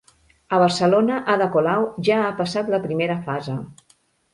A Barcelona Ada Colau ja ha passat la primera fase.